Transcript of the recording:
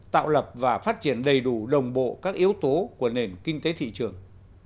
tạo lập và phát triển đầy đủ đồng bộ các yếu tố của nền kinh tế thị trường